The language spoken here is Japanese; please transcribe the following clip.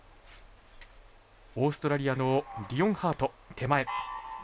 オーストラリアのリオンハート、手前。